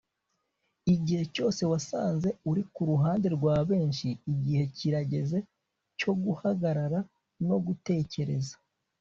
Igihe cyose wasanze uri kuruhande rwa benshi igihe kirageze cyo guhagarara no gutekereza